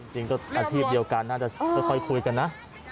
จริงก็อาชีพเดียวกันน่าจะค่อยคุยกันนะ